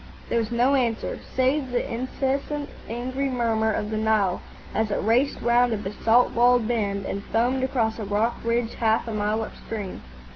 There was no answer, save the incessant angry murmur of the Nile as it raced round a basalt walled bend and foamed across a rock ridge half a mile upstream.